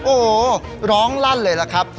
โอ้โหร้องลั่นเลยล่ะครับ